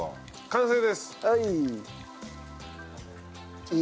完成です。